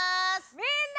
みんな！